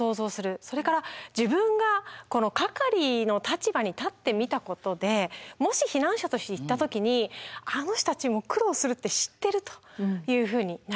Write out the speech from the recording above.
それから自分が係の立場に立ってみたことでもし避難者として行った時にあの人たちも苦労するって知ってるというふうになる。